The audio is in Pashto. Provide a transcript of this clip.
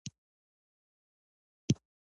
کیمیا څه مطالعه کوي؟